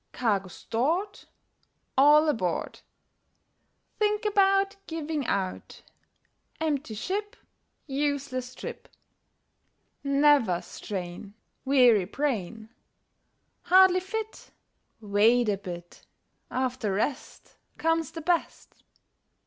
Cargo stored, All aboard, Think about Giving out. Empty ship, Useless trip! Never strain Weary brain, Hardly fit, Wait a bit! After rest Comes the best.